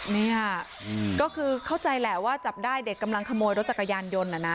เนี่ยก็คือเข้าใจแหละว่าจับได้เด็กกำลังขโมยรถจักรยานยนต์น่ะนะ